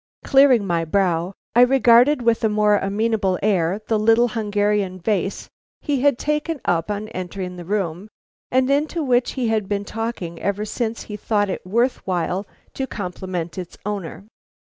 Clearing my brow, I regarded with a more amenable air the little Hungarian vase he had taken up on entering the room, and into which he had been talking ever since he thought it worth while to compliment its owner.